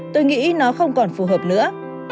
tôi nghĩ nó không còn phù hợp nữa